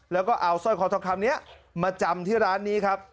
แล้วก็เอาสร้อยคอทองคำนี้มาจำที่ร้านนี้ครับ